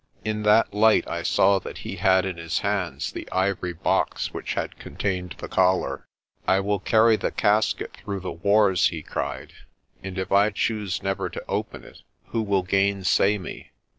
In that light I saw that he had in his hands the ivory box which had con tained the collar. "I will carry the casket through the wars," he cried, "and if I choose never to open it, who will gainsay me?